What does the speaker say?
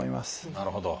なるほど。